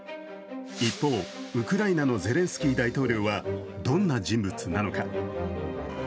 一方、ウクライナのゼレンスキー大統領はどんな人物なのか？